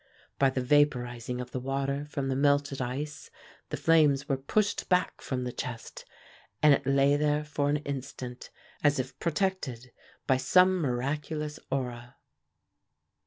By the vaporizing of the water from the melted ice the flames were pushed back from the chest, and it lay there for an instant, as if protected by some miraculous aura.